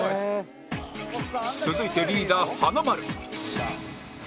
続いてリーダー華丸